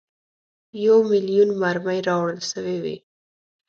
یو میلیون مرمۍ راوړل سوي وې.